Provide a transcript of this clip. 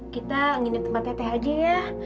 kita nginep tempatnya teh aja ya